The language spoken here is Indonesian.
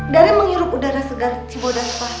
dari menghirup udara segar cibodaswa kayak gini